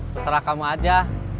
peserah kamu aja